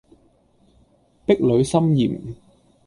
壁壘森嚴